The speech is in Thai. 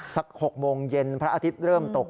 สัก๖โมงเย็นพระอาทิตย์เริ่มตก